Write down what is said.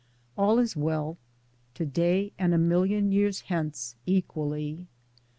All is well : to day and a million years hence, equally.